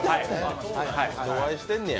お会いしてのや。